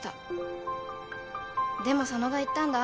でも佐野が言ったんだ。